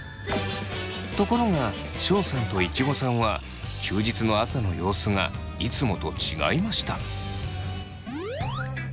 ところがションさんといちごさんは休日の朝の様子がいつもと違いました。